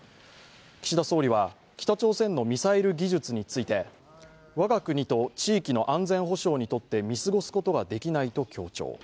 岸田総理は、北朝鮮のミサイル技術について我が国と地域の安全保障にとって見過ごすことができないと強調。